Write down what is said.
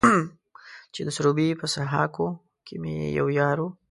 چې د سروبي په سهاکو کې مې يو يار و.